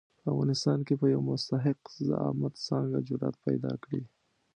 په افغانستان کې به یو مستحق زعامت څنګه جرآت پیدا کړي.